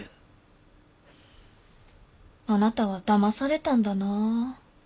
あなたはだまされたんだな。